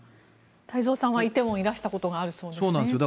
太蔵さんは梨泰院にいらしたことがあるそうですね。